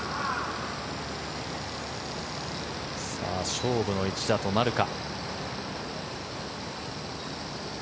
勝負の一打となるか。